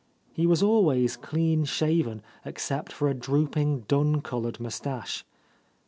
He was always clean shaven except for a drooping dun coloured moustache.